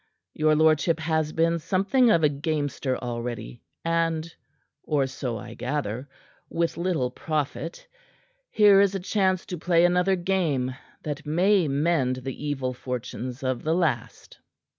Your lordship has been something of a gamester already, and or so I gather with little profit. Here is a chance to play another game that may mend the evil fortunes of the last."